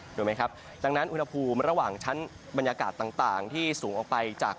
ถูกไหมครับดังนั้นอุณหภูมิระหว่างชั้นบรรยากาศต่างที่สูงออกไปจาก